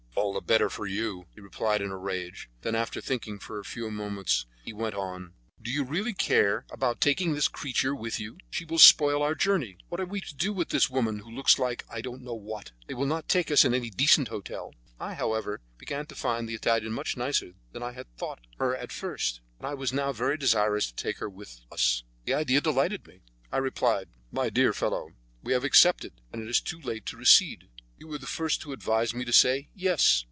"All the better for you," he replied in a rage. Then, after thinking for a few moments, he went on: "Do you really care about taking this creature with you? She will spoil our journey. What are we to do with this woman, who looks like I don't know what? They will not take us in at any decent hotel." I, however, just began to find the Italian much nicer than I had thought her at first, and I was now very desirous to take her with us. The idea delighted me. I replied, "My dear fellow, we have accepted, and it is too late to recede. You were the first to advise me to say 'Yes.'"